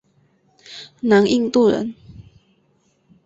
南印度人。